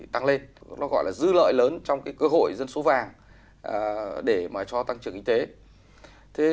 tăng lên nó gọi là dư lợi lớn trong cơ hội dân số vàng để cho tăng trưởng kinh tế